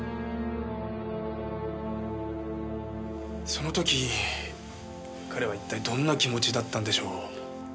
その時彼は一体どんな気持ちだったんでしょう。